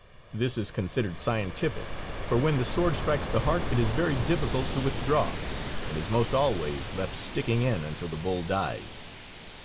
This is considered scientific, for when the sword strikes the heart it is very difficult to withdraw, and is most always left sticking in until the bull dies.